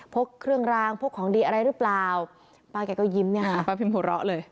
กเครื่องรางพกของดีอะไรหรือเปล่าป้าแกก็ยิ้มเนี่ยค่ะป้าพิมหัวเราะเลย